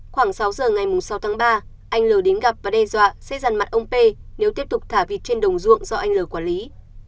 khoảng sáu giờ ngày sáu tháng ba anh l đến gặp và đe dọa sẽ giàn mặt ông p nếu tiếp tục thả vịt trên đồng ruộng do anh l quản lý